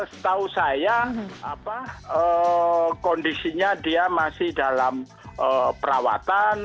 setahu saya kondisinya dia masih dalam perawatan